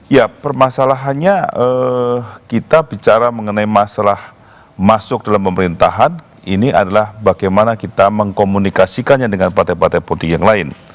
ya permasalahannya kita bicara mengenai masalah masuk dalam pemerintahan ini adalah bagaimana kita mengkomunikasikannya dengan partai partai politik yang lain